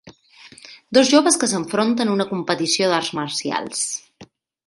Dos joves que s'enfronten una competició d'arts marcials.